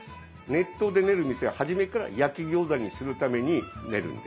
熱湯で練る店は初めから焼き餃子にするために練るんです。